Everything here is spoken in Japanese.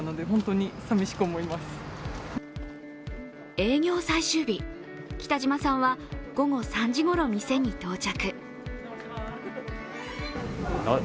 営業最終日、北島さんは午後３時ごろ店に到着。